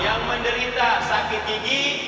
yang menderita sakit gigi